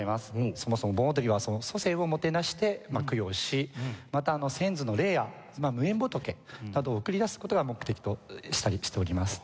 そもそも盆踊りは祖先をもてなして供養しまた先祖の霊や無縁仏などを送り出す事が目的としております。